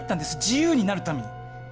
自由になるために。